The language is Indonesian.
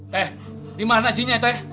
teh dimana jinnya teh